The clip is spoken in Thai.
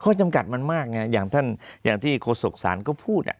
เพราะจำกัดมันมากไงอย่างท่านอย่างที่โครสกศาลก็พูดอ่ะ